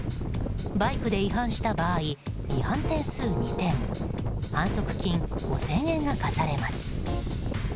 バイクで違反した場合違反点数２点反則金５０００円が科されます。